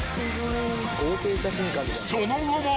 ［その後も］